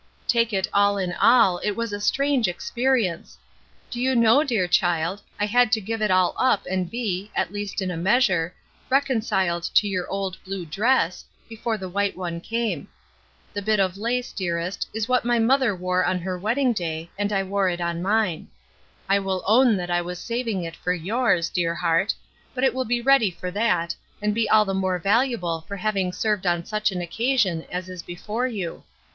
''Take it all in all, it was a strange experience. Do you know, dear child, I had to give it all up and be, at least in a measure, reconciled to your old blue dress, before the white one came. The bit of lace, dearest, is what my mother wore on her wedding day and I wore it on mine. I will .own that I was saving it for yours, dear heart, but it will be ready for that, and be all the more valuable for having served on such an occasion as is before you.